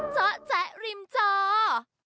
เจ้าแจ๊ะริมเจ้า